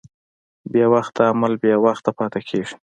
بېوخته عمل بېموخه پاتې کېږي.